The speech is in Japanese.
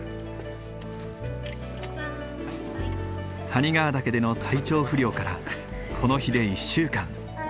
谷川岳での体調不良からこの日で１週間。